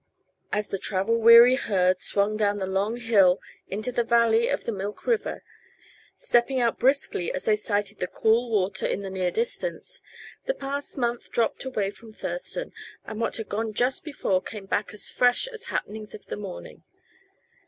As the travel weary herd swung down the long hill into the valley of the Milk River, stepping out briskly as they sighted the cool water in the near distance, the past month dropped away from Thurston, and what had gone just before came back fresh as the happenings of the morning.